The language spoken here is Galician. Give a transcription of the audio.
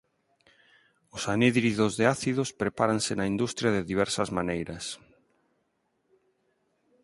Os anhídridos de ácidos prepáranse na industria de diversas maneiras.